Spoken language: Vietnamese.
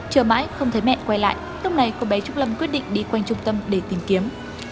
chờ mãi không thấy mẹ quay lại lúc này cô bé trúc lâm quyết định đi quanh trung tâm để tìm kiếm